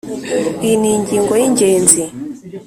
iyi ni ingingo y'ingenzi.